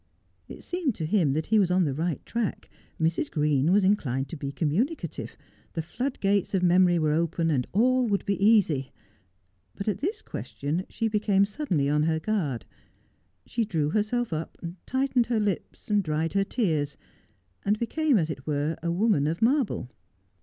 It seemed to him that he was on the right track. Mrs. Green was inclined to be communicative. The floodgates of memory Poor Lucy. 171 were open, and all would be easy. But at tins question she became suddenly on her guard. She drew herself up, tightened her lips, dried her tears, and became as it were a woman of marble.